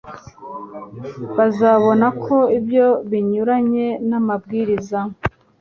bazabona ko ibyo binyuranye n’amabwiriza